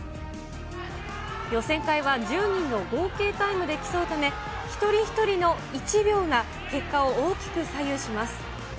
予選会は１０人の合計タイムで競うため、一人一人の１秒が、結果を大きく左右します。